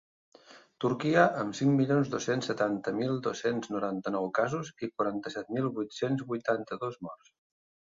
Turquia, amb cinc milions dos-cents setanta mil dos-cents noranta-nou casos i quaranta-set mil vuit-cents vuitanta-dos morts.